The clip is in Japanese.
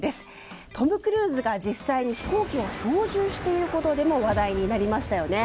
トム・クルーズが実際に飛行機を操縦していることでも話題になりましたよね。